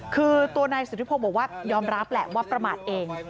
คือตัวนายสุธิพงศ์บอกว่ายอมรับแหละว่าประมาทเอง